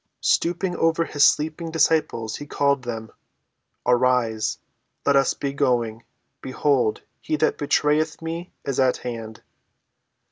Stooping over his sleeping disciples he called them: "Arise, let us be going: behold, he that betrayeth me is at hand."